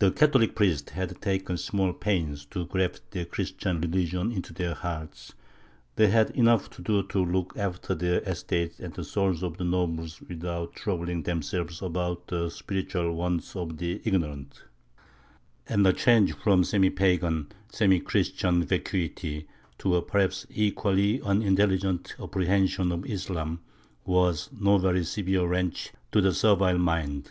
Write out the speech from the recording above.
The Catholic priests had taken small pains to graft the Christian religion into their hearts; they had enough to do to look after their estates and the souls of the nobles without troubling themselves about the spiritual wants of the ignorant; and the change from semi pagan, semi Christian, vacuity to a perhaps equally unintelligent apprehension of Islam was no very severe wrench to the servile mind.